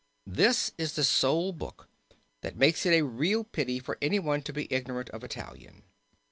This is the sole book which makes it a real pity for anyone to be ignorant of Italian.